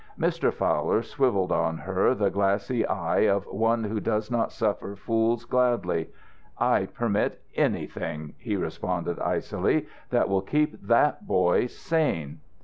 Mr. Fowler swiveled on her the glassy eye of one who does not suffer fools gladly. "I permit anything," he responded, icily, "that will keep that boy ... sane."